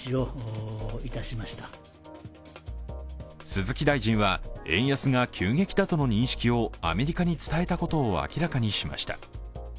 鈴木大臣は、円安が急激だとの認識をアメリカに伝えたことを明らかにしました。